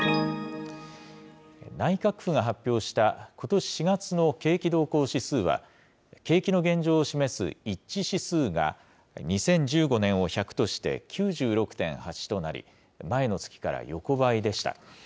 内閣府が発表したことし４月の景気動向指数は、景気の現状を示す一致指数が２０１５年を１００として９６．８となり、前の月から横ばいでした。